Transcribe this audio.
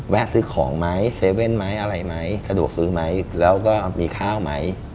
ซื้อของไหม๗๑๑ไหมอะไรไหมสะดวกซื้อไหมแล้วก็มีข้าวไหม